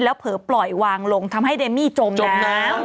เผลอปล่อยวางลงทำให้เดมมี่จมลงน้ำ